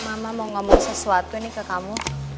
mama mau ngomong sesuatu nih ke kamu